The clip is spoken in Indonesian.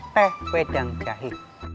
teh wedang jahe